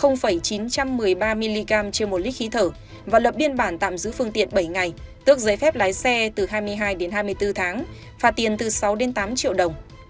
anh hát có nồng độ cồn chín trăm một mươi ba m trên một lít khí thở và lập biên bản tạm giữ phương tiện bảy ngày tước giấy phép lái xe từ hai mươi hai đến hai mươi bốn tháng phạt tiền từ sáu đến tám triệu đồng